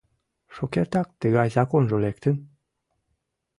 Шукертак тыгай законжо лектын?